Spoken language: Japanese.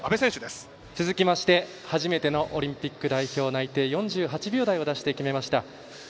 続きましてはじめてのオリンピック代表内定、４８秒台を出して決めました。